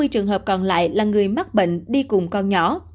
hai mươi trường hợp còn lại là người mắc bệnh đi cùng con nhỏ